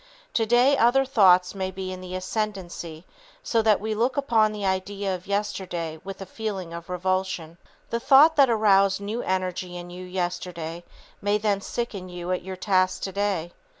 Today other thoughts may be in the ascendency so that we look upon the idea of yesterday with a feeling of revulsion. The thought that aroused new energy in you yesterday may then sicken you at your task today.